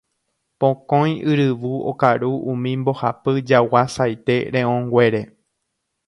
Pokõi yryvu okaru umi mbohapy jagua saite re'õnguére.